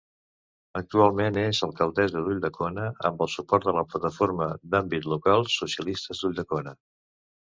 Actualment és alcaldessa d'Ulldecona amb el suport de la plataforma d'àmbit local Socialistes d'Ulldecona.